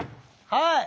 はい。